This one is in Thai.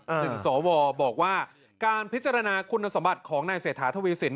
ถึงสวบอกว่าการพิจารณาคุณสมบัติของนายเศรษฐาทวีสิน